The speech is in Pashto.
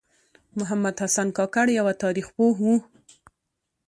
محمد حسن کاکړ یوه تاریخ پوه و .